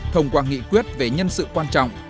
thông qua nghị quyết về nhân sự quan trọng